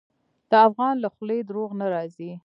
د افغان له خولې دروغ نه راځي.